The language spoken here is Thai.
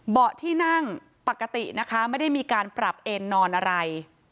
ที่นั่งปกตินะคะไม่ได้มีการปรับเอ็นนอนอะไร